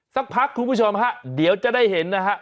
สักพักคุณผู้ชมครับเดี๋ยวจะได้เห็นนะครับ